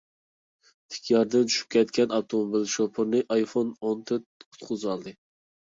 تىك ياردىن چۈشۈپ كەتكەن ئاپتوموبىل شوپۇرىنى ئايفون ئون تۆت قۇتقۇزۋالدى.